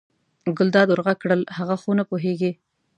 ګلداد ور غږ کړل هغه خو نه پوهېږي.